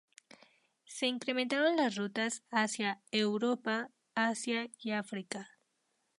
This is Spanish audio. Se incrementaron las rutas hacia Europa, Asia y África.